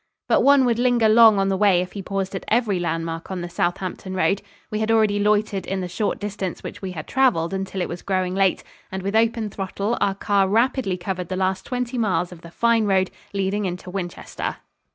But one would linger long on the way if he paused at every landmark on the Southampton road. We had already loitered in the short distance which we had traveled until it was growing late, and with open throttle our car rapidly covered the last twenty miles of the fine road leading into Winchester.